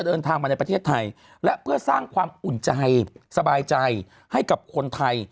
เดินทางมาในประเทศไทยและเพื่อสร้างความอุ่นใจสบายใจให้กับคนไทย